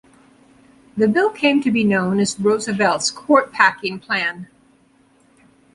The bill came to be known as Roosevelt's "court-packing plan".